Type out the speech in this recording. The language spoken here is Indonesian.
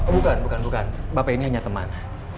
oh bukan bukan bapak ini hanya teman